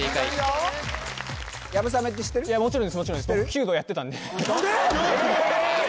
弓道やってたんで何で？